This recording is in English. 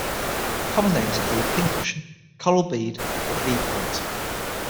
Common names include pincushion, coral bead or bead plant.